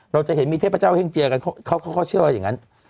เราจะเห็นมีเทพพระเจ้าเฮ่งเจียกันเขาเขาเขาเขาเชื่ออะไรอย่างงั้น